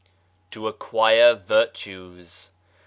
To acquire virtues.